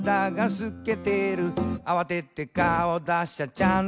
「あわてて顔だしゃちゃんとある」